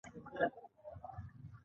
د غزني پایتخت بولي.